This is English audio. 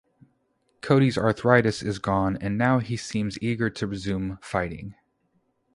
Cody's arthritis is now gone and he seems eager to resume fighting.